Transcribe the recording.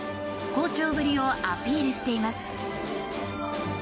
好調ぶりをアピールしています。